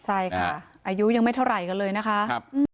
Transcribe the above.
อายุยังไม่เท่าไหร่กันเลยนะคะ